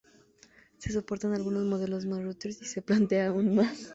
Se soportan algunos modelos más de routers, y se planean aún más.